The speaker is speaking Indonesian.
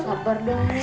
tidak berdoa nih